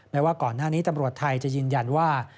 ว่าก่อนหน้านี้ตำรวจไทยจะยืนยันว่า